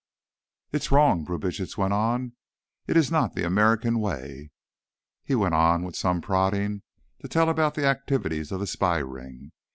"It is wrong," Brubitsch went on. "It is not the American way." He went on, with some prodding, to tell about the activities of the spy ring.